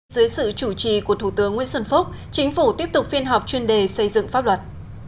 dưới sự chủ trì của thủ tướng nguyễn xuân phúc chính phủ tiếp tục phiên họp chuyên đề xây dựng pháp luật